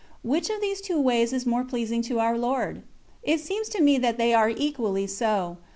Which of these two ways is more pleasing to Our Lord? It seems to me that they are equally so.